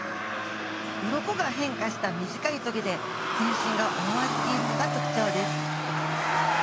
鱗が変化した短い棘で全身が覆われているのが特徴です。